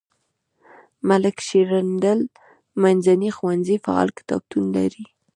ملک شیریندل منځنی ښوونځی فعال کتابتون لري.